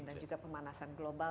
dan juga pemanasan global